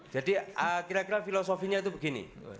jadi kira kira filosofinya itu begini